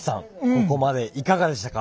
ここまでいかがでしたか？